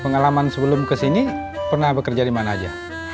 pengalaman sebelum kesini pernah bekerja di mana aja